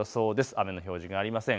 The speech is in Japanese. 雨の表示がありません。